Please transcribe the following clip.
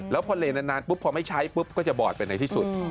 แล้วพอเล่นนานพอไม่ใช้ก็จะบอดไปไหนที่สุด